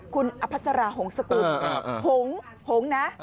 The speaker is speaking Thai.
คุณอัพพัศราหงสกุลหงหงนะ